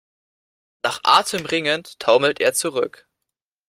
Nach Atem ringend taumelt er zurück.